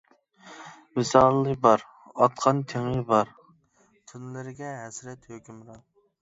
ۋىسالى بار، ئاتقان تېڭى بار، تۈنلىرىگە ھەسرەت ھۆكۈمران.